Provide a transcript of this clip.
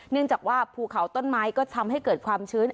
เนื่องจากว่าภูเขาต้นไม้ก็ทำให้เกิดความชื้น